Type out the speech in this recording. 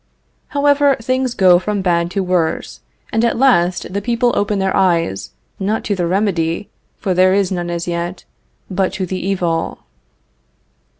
However, things go from bad to worse, and at last the people open their eyes, not to the remedy, for there is none as yet, but to the evil.